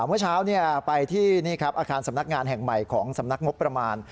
เมื่อเช้าไปที่นี่ครับอาคารสำนักงานแห่งใหม่ของสำนักงบประมาณ